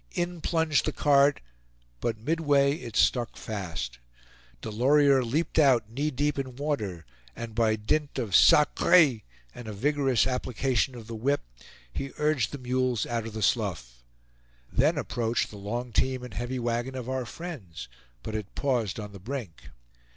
In plunged the cart, but midway it stuck fast. Delorier leaped out knee deep in water, and by dint of sacres and a vigorous application of the whip, he urged the mules out of the slough. Then approached the long team and heavy wagon of our friends; but it paused on the brink.